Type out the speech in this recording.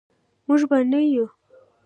موږ به نه یو.